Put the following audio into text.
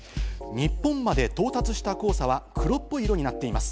日本まで到達した黄砂は黒っぽい色になっています。